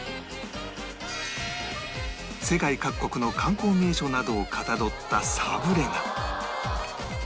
世界各国の観光名所などをかたどったサブレが